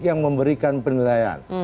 yang memberikan penilaian